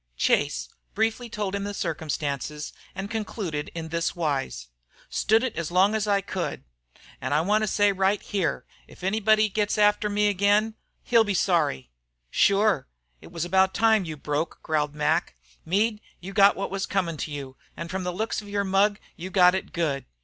Chase briefly told him the circumstances, and concluded in this wise. "Stood it as long as I could. And I want to say right here if anybody gets after me again he 'll be sorry!" "Shure, it was about time you broke out," growled Mac. "Meade, you got what was comin' to you, an' from the looks of your mug you got it good.